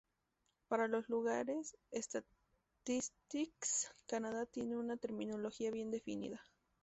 Para los lugares, Statistics Canada tiene una terminología bien definida.